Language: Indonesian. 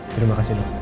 terima kasih pak